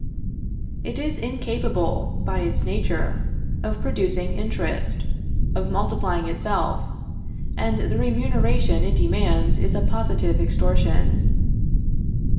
It is incapable, by its nature, of producing interest, of multiplying itself, and the remuneration it demands is a positive extortion.